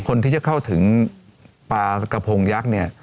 คนที่จะเข้าถึงปลากระโพงยักษ์เนี่ย